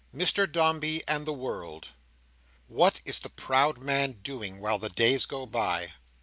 Mr Dombey and the World What is the proud man doing, while the days go by?